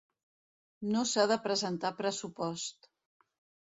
No s'ha de presentar pressupost.